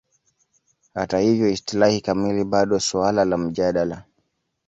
Hata hivyo, istilahi kamili bado suala la mjadala.